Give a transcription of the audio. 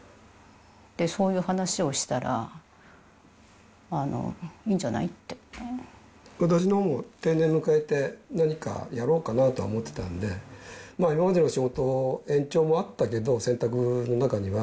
そういう話をしたら、私のほうも、定年を迎えて何かやろうかなとは思ってたので、今までの仕事、延長もあったけど、選択の中には。